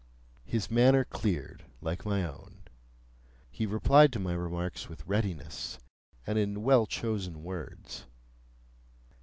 His manner cleared, like my own. He replied to my remarks with readiness, and in well chosen words.